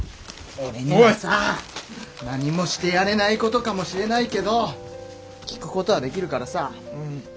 俺にはさ何もしてやれないことかもしれないけど聞くことはできるからさ。